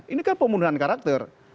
ini kan pembunuhan karakter